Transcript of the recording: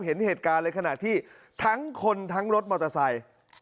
เห็นเหตุการณ์ในขณะที่ทั้งคนทั้งรถมอเตอร์ไซค์